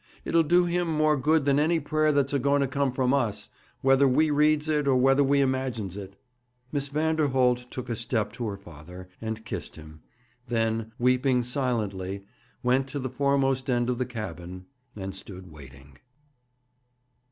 It'll do him more good than any prayer that's a going to come from us, whether we reads it, or whether we imagines it.' Miss Vanderholt took a step to her father and kissed him, then, weeping silently, went to the foremost end of the cabin, and stood waiting.